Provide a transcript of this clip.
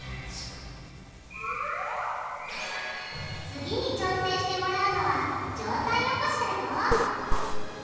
次に挑戦してもらうのは上体起こしだよ！